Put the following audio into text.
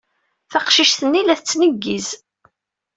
Taqcict-nni la tettneggiz.